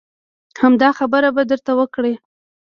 همدا خبره به درته وکړي.